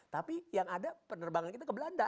tapi yang ada penerbangan kita ke belanda